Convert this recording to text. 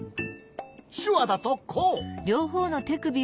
しゅわだとこう。